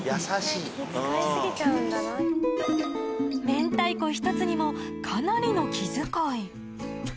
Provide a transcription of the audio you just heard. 明太子１つにもかなりの気遣い